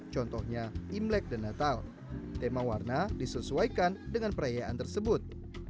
contohnya imlek dan natal tema warna disesuaikan dengan perayaan tersebut